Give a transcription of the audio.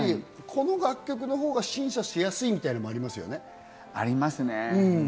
この楽曲のほうが審査しやすいみたいなのもありますよね。ありますね。